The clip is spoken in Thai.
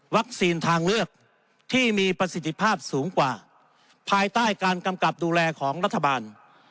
ทางเลือกที่มีประสิทธิภาพสูงกว่าภายใต้การกำกับดูแลของรัฐบาล